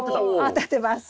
当たってます。